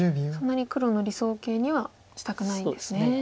そんなに黒の理想形にはしたくないんですね。